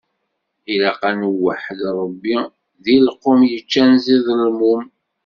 Ilaq ad nweḥḥed Ṛebbi, deg lqum yeččan ẓidelmum.